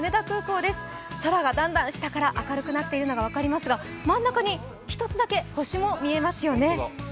空がだんだん下から明るくなっているのが分かりますが真ん中に１つだけ星も見えますよね。